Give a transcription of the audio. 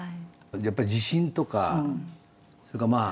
やっぱり自信とかそれからまあねえ